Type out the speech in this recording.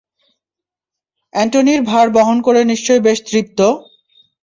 অ্যান্টোনির ভার বহন করে নিশ্চয়ই বেশ তৃপ্ত!